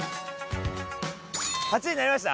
８時になりました？